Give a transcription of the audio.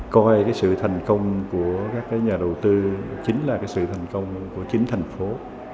coi sự thành công của các nhà đầu tư chính là sự thành công của chính tp hcm